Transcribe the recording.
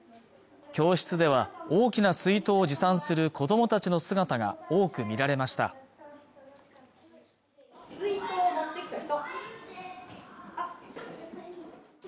教室では大きな水筒を持参する子どもたちの姿が多く見られました水筒を持ってきた人？